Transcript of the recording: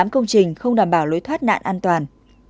năm mươi tám công trình không đảm bảo lối thoát nạn an toàn